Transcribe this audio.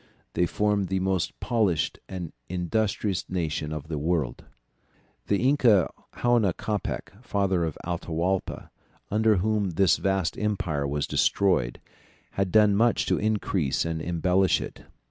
They formed the most polished and industrious nation of the New World." The inca Huayna Capac, father of Atahualpa, under whom this vast empire was destroyed, had done much to increase and embellish it.